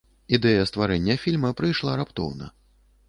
Ідэя стварэння фільма прыйшла раптоўна.